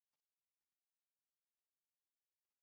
朝日村的一村。